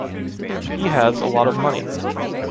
He has a lot of money.